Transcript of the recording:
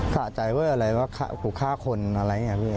สะใจว่าอะไรว่ากูฆ่าคนอะไรอย่างนี้พี่